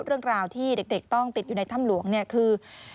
เรื่องราวที่เด็กต้องติดอยู่ในถ้ำหลวงเนี่ยคือ